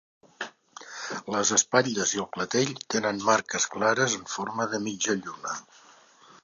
Les espatlles i el clatell tenen marques clares en forma de mitja lluna.